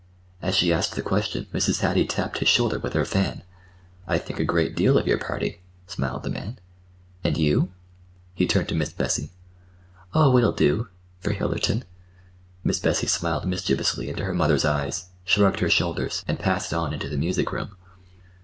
As she asked the question Mrs. Hattie tapped his shoulder with her fan. "I think a great deal—of your party," smiled the man. "And you?" He turned to Miss Bessie. "Oh, it'll do—for Hillerton." Miss Bessie smiled mischievously into her mother's eyes, shrugged her shoulders, and passed on into the music room.